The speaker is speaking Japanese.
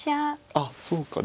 あっそうか。